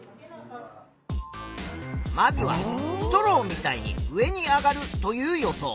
まずは「ストローみたいに上に上がる」という予想。